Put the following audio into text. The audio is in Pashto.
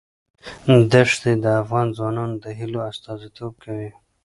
دښتې د افغان ځوانانو د هیلو استازیتوب کوي.